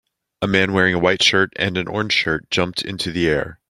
A man wearing a white shirt and an orange shirt jumped into the air.